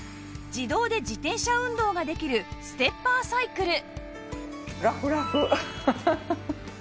自動で自転車運動ができるステッパーサイクル